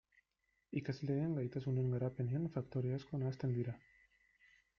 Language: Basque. Ikasleen gaitasunen garapenean faktore asko nahasten dira.